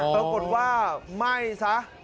ปรากฏว่าไม่สัก